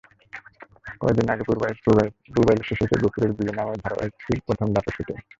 কদিন আগে পুবাইলে শেষ হয়েছে গফুরের বিয়ে নামের ধারাবাহিকটির প্রথম ধাপের শুটিং।